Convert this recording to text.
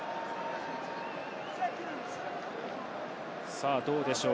さあどうでしょう。